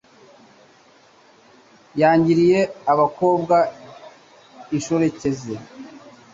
yangiriye abakobwa inshoreke ze